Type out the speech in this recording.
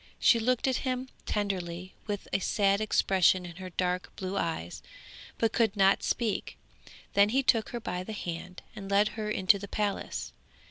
She looked at him tenderly and with a sad expression in her dark blue eyes, but could not speak. Then he took her by the hand and led her into the palace.